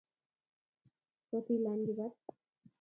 kotilan kibat